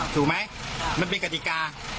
ถูกไหมมันเป็นกฎิกา